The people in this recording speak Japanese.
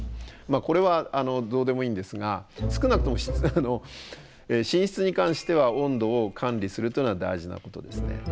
これはどうでもいいんですが少なくとも寝室に関しては温度を管理するというのは大事なことですね。